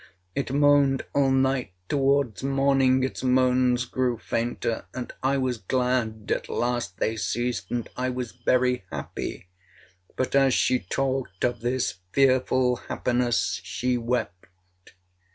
It moaned all night—towards morning its moans grew fainter, and I was glad—at last they ceased, and I was very—happy!' But, as she talked of this fearful happiness, she wept.